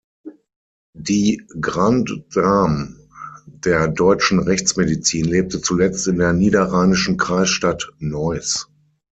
Die "Grande Dame der deutschen Rechtsmedizin" lebte zuletzt in der niederrheinischen Kreisstadt Neuss.